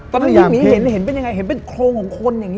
ตอนนี้เห็นเป็นยังไงเป็นโคนของคนอย่างนี้หรอ